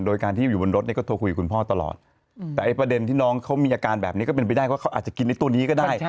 โดยการที่อยู่บนรถก็โทรคุยกับคุณพ่อตลอด